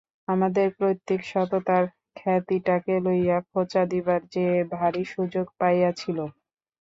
আমাদের পৈতৃক সততার খ্যাতিটাকে লইয়া খোঁচা দিবার সে ভারি সুযোগ পাইয়াছিল।